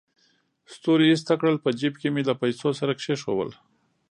ستوري ایسته کړل، په جېب کې مې له پیسو سره کېښودل.